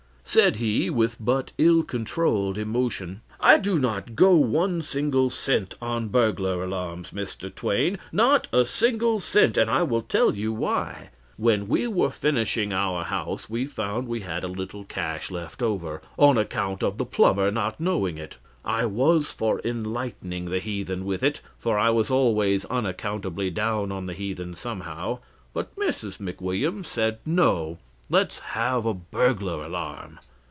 Said he, with but ill controlled emotion: "I do not go one single cent on burglar alarms, Mr. Twain not a single cent and I will tell you why. When we were finishing our house, we found we had a little cash left over, on account of the plumber not knowing it. I was for enlightening the heathen with it, for I was always unaccountably down on the heathen somehow; but Mrs. McWilliams said no, let's have a burglar alarm.